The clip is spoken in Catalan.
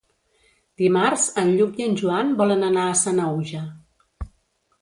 Dimarts en Lluc i en Joan volen anar a Sanaüja.